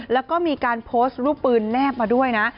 แล้วก็มีการโพสต์รูปปืนแนบมาด้วยนะ